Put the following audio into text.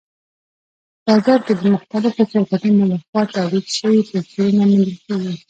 په بازار کې د مختلفو شرکتونو لخوا تولید شوي پنسلونه موندل کېږي.